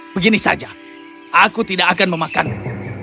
begini saja aku tidak akan memakanmu